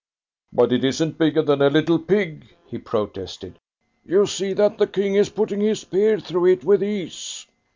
"But it isn't bigger than a little pig," he protested. "You see that the King is putting his spear through it with ease."